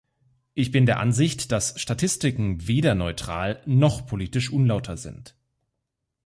Ich bin der Ansicht, dass Statistiken weder neutral noch politisch unlauter sind.